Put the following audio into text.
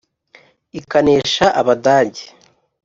ikanesha abadage :